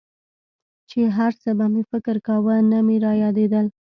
چې هرڅه به مې فکر کاوه نه مې رايادېدل.